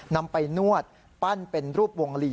นำไปนวดปั้นเป็นรูปวงลี